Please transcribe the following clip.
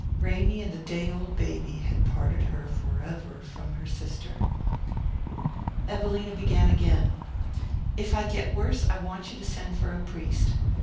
Ramy and the day old baby had parted her forever from her sister. Evelina began again. "If I get worse I want you to send for a priest.